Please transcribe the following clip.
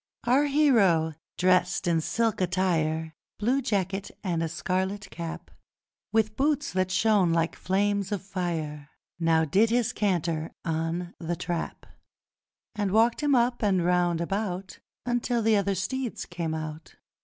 Our hero, dressed in silk attire Blue jacket and a scarlet cap With boots that shone like flames of fire, Now did his canter on The Trap, And walked him up and round about, Until the other steeds came out.